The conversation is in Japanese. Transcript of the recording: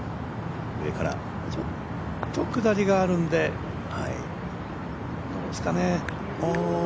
ちょっと下りがあるのでどうですかね。